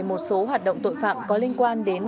một số hoạt động tội phạm có liên quan đến